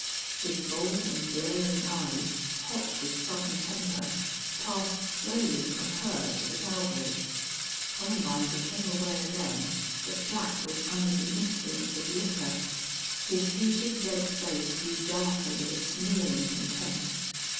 His bold and glaring eyes, hot with sudden temper, passed slowly from her to the cowboy. Columbine became aware then that Jack was under the influence of liquor. His heated red face grew darker with a sneering contempt.